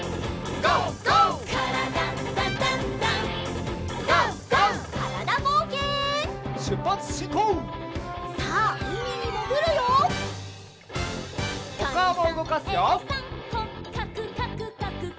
「こっかくかくかく」